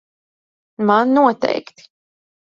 Man noteikti.